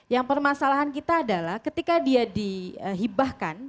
yang permasalahan kita adalah ketika dia dihibahkan